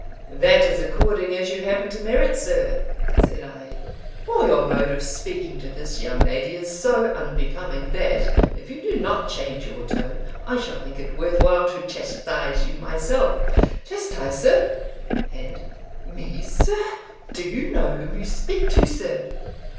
"That is according as you happen to merit, sir," said I: "for your mode of speaking to this young lady is so unbecoming, that, if you do not change your tone, I shall think it worth while to chastise you myself." "Chastise, sir? and me, sir? Do you know whom you speak to, sir?"